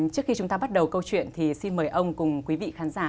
trước khi chúng ta bắt đầu câu chuyện thì xin mời ông cùng quý vị khán giả